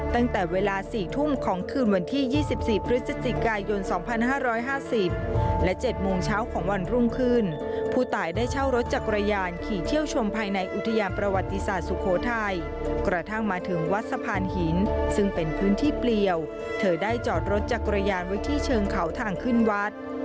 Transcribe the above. ตั้งแต่เวลา๔ทุ่มของคืนวันที่๒๔พฤศจิกายน๒๕๕๐และ๗โมงเช้าของวันรุ่งขึ้นผู้ตายได้เช่ารถจักรยานขี่เที่ยวชมภายในอุทยานประวัติศาสตร์สุโขทัยกระทั่งมาถึงวัดสะพานหินซึ่งเป็นพื้นที่เปลี่ยวเธอได้จอดรถจักรยานไว้ที่เชิงเขาทางขึ้นวัด